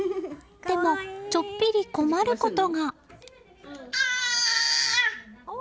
でも、ちょっと困ることが。